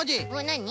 なに？